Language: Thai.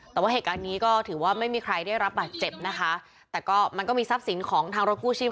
แต่ว่าเหตุการณ์นี้ก็ถือว่าไม่มีใครได้รับบาดเจ็บนะคะแต่ก็มันก็มีทรัพย์สินของทางรถกู้ชีพ